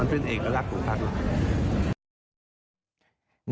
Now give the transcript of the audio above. มันเป็นเอกลักษณ์ของภักดิ์ไลน์